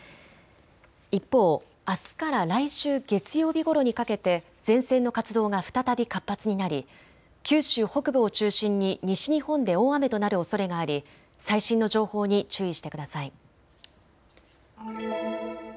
一方、あすから来週月曜日ごろにかけて前線の活動が再び活発になり九州北部を中心に西日本で大雨となるおそれがあり最新の情報に注意してください。